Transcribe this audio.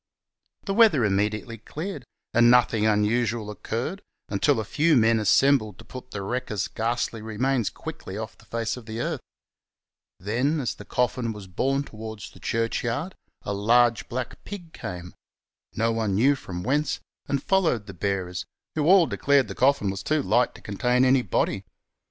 The weather immediately cleared, and nothing unusual occurred until a few men assembled to put the wrecker's ghastly remains quiddy off the face of the earth ; then, as the coffin was borne towards the churchyard, a large black pig came — no one knew from whence — and followed the bearers, who all declared the coffin was too Hght to contain any body.